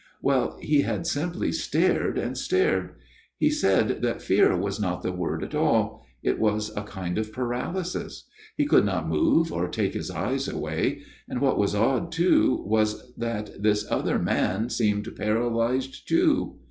Well, he had simply stared and stared. He said that fear was not the word at all : it was a kind of paralysis. He could not move or take his eyes away ; and what was odd too was that this other man seemed paralysed too.